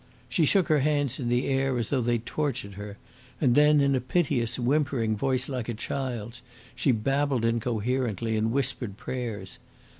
She shook her hands in the air as though they tortured her, and then, in a piteous, whimpering voice, like a child's, she babbled incoherently and whispered prayers.